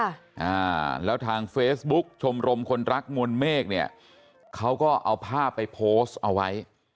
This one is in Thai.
อ่าแล้วทางเฟซบุ๊กชมรมคนรักมวลเมฆเนี่ยเขาก็เอาภาพไปโพสต์เอาไว้